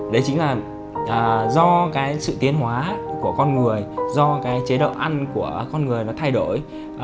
đấy chính là do cái sự tiến hóa của con người do cái chế độ ăn của con người nó thay đổi